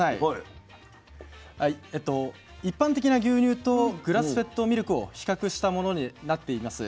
一般的な牛乳とグラスフェッドミルクを比較したものになっています。